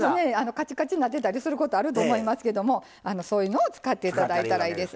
カチカチなってたりすることあると思いますけどもそういうのを使って頂いたらいいです。